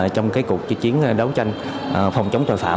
trong cuộc chiến đấu tranh phòng chống tội phạm